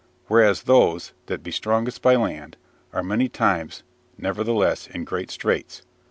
Whereas those, that be strongest by land, are many times neverthelesse in great Straights.